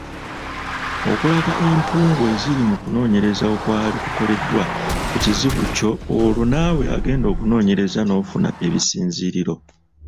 Okulaga empungu eziri mu kunoonyereza okwali kukoleddwa ku kizibu kyo olwo naawe agenda okunoonyereza n’ofuna ebisinziiriro.